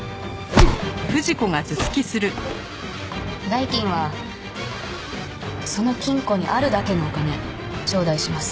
代金はその金庫にあるだけのお金ちょうだいします。